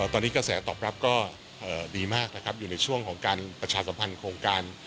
ตอนนี้กระแสตอบรับก็ดีมากนะครับอยู่ในช่วงของการประชาสัมพันธ์โครงการ